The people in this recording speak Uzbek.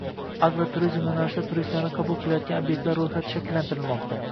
Agroturizm yo‘nalishida turistlarni qabul qiladigan obyektlar ro‘yxati shakllantirilmoqda